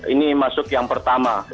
ini masuk yang pertama